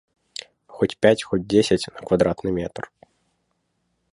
Хоць пяць, хоць дзесяць на квадратны метр.